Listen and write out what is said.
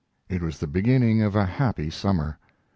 It was the beginning of a happy summer.